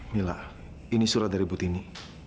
mila ini surat dari butini